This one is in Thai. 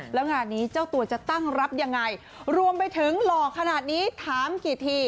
แล้วงานนี้เจ้าตัวจะตั้งรับยังไงรวมไปถึงหล่อขนาดนี้ถามกี่ที